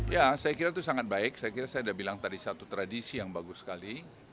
ya saya kira itu sangat baik saya kira saya sudah bilang tadi satu tradisi yang bagus sekali